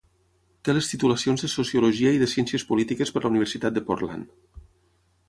Té les titulacions de sociologia i de ciències polítiques per la Universitat de Portland.